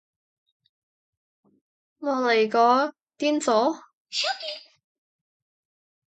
乜嚟㗎？癲咗？